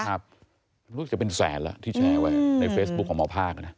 รู้สึกจะเป็นแสนแล้วที่แชร์ไว้ในเฟซบุ๊คของหมอภาคนะ